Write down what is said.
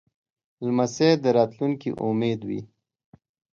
لمسی د راتلونکې امید وي.